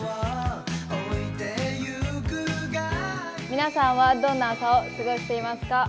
皆さんは、どんな朝を過ごしていますか？